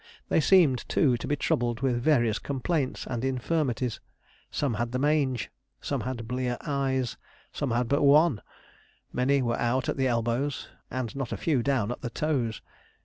They seemed, too, to be troubled with various complaints and infirmities. Some had the mange; some had blear eyes; some had but one; many were out at the elbows; and not a few down at the toes.